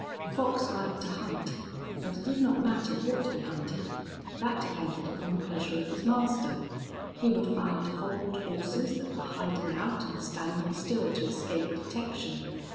Fox liked to hunt, but it did not matter what he hunted. That depended upon the pleasure of his master. He would find hobbled horses that were hiding out and standing still to escape detection.